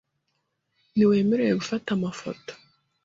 Ntiwemerewe gufata amafoto .